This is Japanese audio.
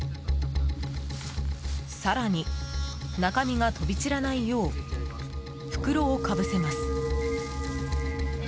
更に、中身が飛び散らないよう袋をかぶせます。